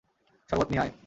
শরবত নিয়ে আয়!